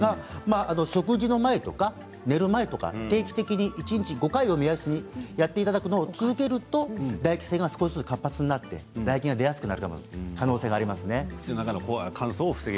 食事の前とか寝る前とか定期的に一日５回を目安にやっていただくのを続けると唾液腺が少しずつ活発になって唾液が出やすくなる可能性がありますね。